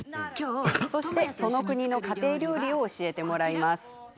そして、その国の家庭料理を教えてもらいます。